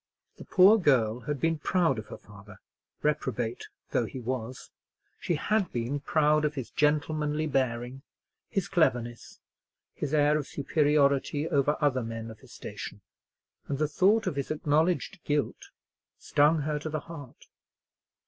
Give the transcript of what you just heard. The poor girl had been proud of her father, reprobate though he was; she had been proud of his gentlemanly bearing, his cleverness, his air of superiority over other men of his station; and the thought of his acknowledged guilt stung her to the heart.